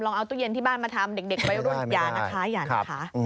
ลองเอาตู้เย็นที่บ้านมาทำเด็กไปร่วมยานะคะอย่านะคะ